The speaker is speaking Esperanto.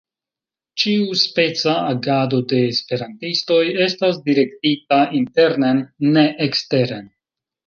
Ĉiuspeca agado de esperantistoj estas direktita internen, ne eksteren.